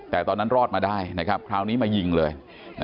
แต่ตอนนั้นรอดมาได้นะครับคราวนี้มายิงเลย